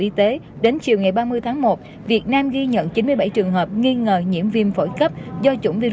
y tế đến chiều ngày ba mươi tháng một việt nam ghi nhận chín mươi bảy trường hợp nghi ngờ nhiễm viêm phổi cấp do chủng virus